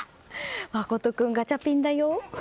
真斗君、ガチャピンだよ！